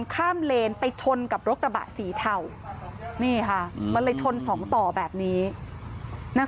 ข้ามเลนไปชนกับรถกระบะสีเทานี่ค่ะมันเลยชนสองต่อแบบนี้นาง